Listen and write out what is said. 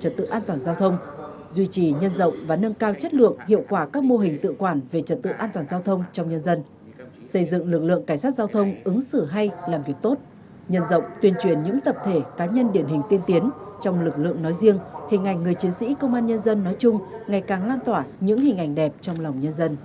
trật tự an toàn giao thông trong nhân dân xây dựng lực lượng cảnh sát giao thông ứng xử hay làm việc tốt nhân rộng tuyên truyền những tập thể cá nhân điển hình tiên tiến trong lực lượng nói riêng hình ảnh người chiến sĩ công an nhân dân nói chung ngày càng lan tỏa những hình ảnh đẹp trong lòng nhân dân